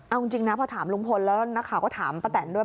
เอาจริงนะพอถามลุงพลแล้วขอถามประแต่นด้วย